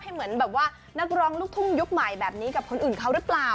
เหมือนแบบว่านักร้องลูกทุ่งยุคใหม่แบบนี้กับคนอื่นเขาหรือเปล่า